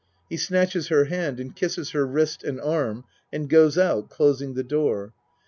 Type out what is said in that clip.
(He snatches her hand and kisses her wrist and arm and goes out closing the door.